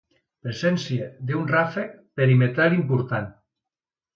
Presència d'un ràfec perimetral important.